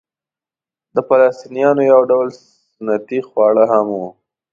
د فلسطنیانو یو ډول سنتي خواړه هم وو.